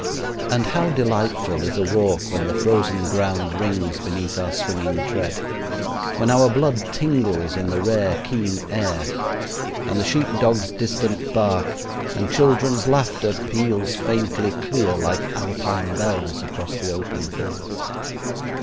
And how delightful is a walk when the frozen ground rings beneath our swinging tread when our blood tingles in the rare keen air, and the sheep dogs' distant bark and children's laughter peals faintly clear like Alpine bells across the open hills!